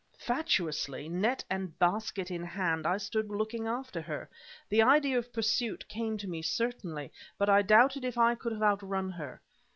Fatuously, net and basket in hand, I stood looking after her. The idea of pursuit came to me certainly; but I doubted if I could have outrun her.